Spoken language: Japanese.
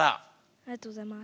ありがとうございます。